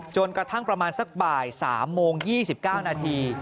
จนกระทั่งประมาณสักบ่าย๓โมง๒๙นาที